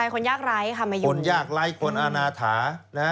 คนยากไร้คนอนาถา